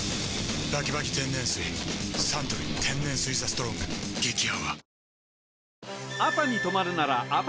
サントリー天然水「ＴＨＥＳＴＲＯＮＧ」激泡